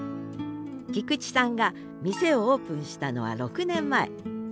菊地さんが店をオープンしたのは６年前。